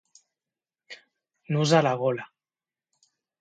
Nus a la gola.